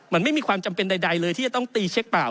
มันไม่มีความจำเป็นใดเลยที่จะต้องตีเช็คเปล่า